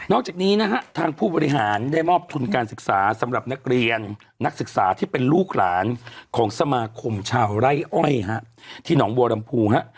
จากนี้นะฮะทางผู้บริหารได้มอบทุนการศึกษาสำหรับนักเรียนนักศึกษาที่เป็นลูกหลานของสมาคมชาวไร่อ้อยฮะที่หนองบัวลำพูฮะ